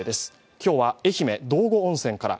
今日は愛媛、道後温泉から。